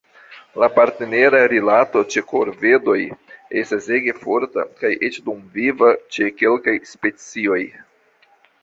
La partnera rilato ĉe korvedoj estas ege forta kaj eĉ dumviva ĉe kelkaj specioj.